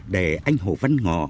để anh hồ văn ngọ